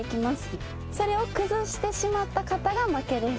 それを崩してしまった方が負けです。